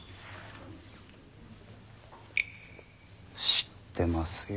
知ってますよ